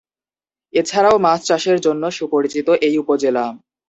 এছাড়াও মাছ চাষের জন্য সুপরিচিত এই উপজেলা।